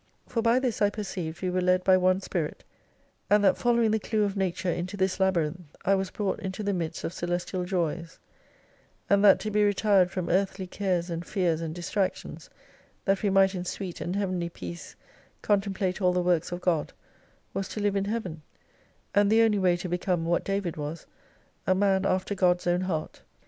For by this I perceived we were led by one Spirit, and that following the clue of Nature into this labyrinth, I was brought into the midst of celestial joys : and that to be retired from earthly cares and fears and distractions that we might in sweet and heavenly peace contemplate all the Works of God, was to live in Heaven, and the only way to become what David was, a man after God's own heart.